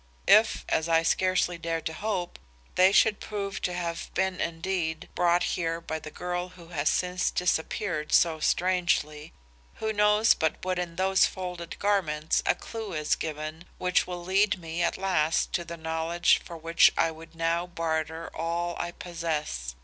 If, as I scarcely dare to hope, they should prove to have been indeed brought here by the girl who has since disappeared so strangely, who knows but what in those folded garments a clue is given which will lead me at last to the knowledge for which I would now barter all I possess.